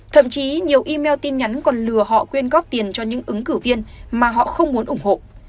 thậm chí nhiều email tin nhắn còn lừa họ quyên góp tiền cho những ứng cử viên mà họ không muốn ủng hộ